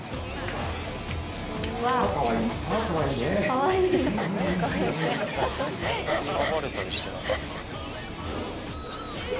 「“かわいいね”」